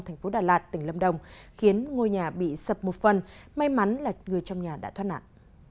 thành phố đà lạt tỉnh lâm đồng khiến ngôi nhà bị sập một phần may mắn là người trong nhà đã thoát nạn